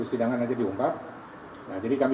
sedangkan aja diungkap nah jadi kami